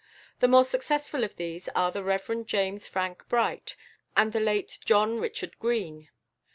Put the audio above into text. The more successful of these are the Rev. James Franck Bright and the late John Richard Green.